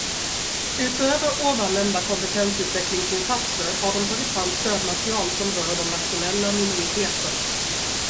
Utöver ovan nämnda kompetensutvecklingsinsatser, har de tagit fram stödmaterial som rör de nationella minoriteterna.